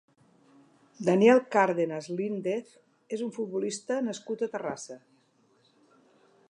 Daniel Cárdenas Lindez és un futbolista nascut a Terrassa.